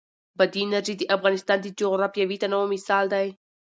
بادي انرژي د افغانستان د جغرافیوي تنوع مثال دی.